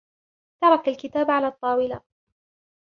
ترك الكتاب على الطاولة.